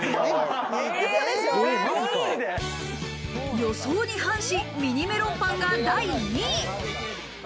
予想に反し、ミニメロンパンが第２位。